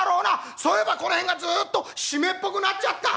「そういえばこの辺がずっと湿っぽくなっちゃった」。